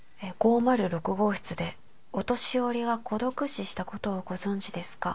号室でお年寄りが孤独死したことをご存知ですか？」